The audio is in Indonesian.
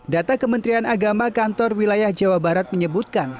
data kementerian agama kantor wilayah jawa barat menyebutkan